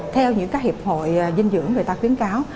theo những hiệp hội dinh dưỡng người ta khuyến cáo